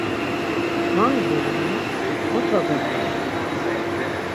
Gangu rei, mot vagaguren?